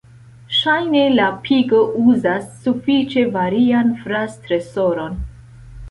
Ŝajne la pigo uzas sufiĉe varian fraz-tresoron.